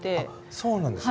そうなんですね。